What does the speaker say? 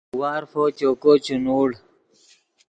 وارفو چوکو چے نوڑ